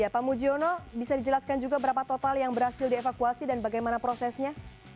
pak mujiono bisa dijelaskan juga berapa total yang berhasil dievakuasi dan bagaimana prosesnya